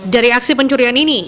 dari aksi pencurian ini